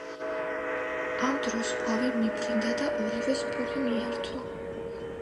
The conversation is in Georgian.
ამ დროს ყვავი მიფრინდა და ორივეს პური მიართვა.